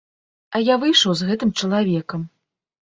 А я выйшаў з гэтым чалавекам.